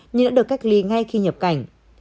nhưng đã được cách ly ngay khi nhập cảnh